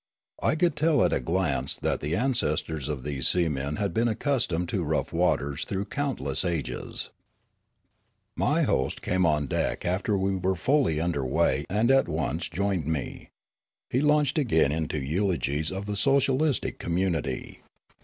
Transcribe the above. I could tell at a glance that the ancestors of these seamen had been accustomed to rough waters through countless ages. 124 Riallaro My host came on deck after we were fully under way and at once joined me. He launched again into eulogies of the socialistic communit}